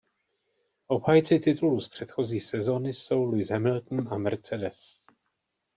Obhájci titulů z předchozí sezóny jsou Lewis Hamilton a Mercedes.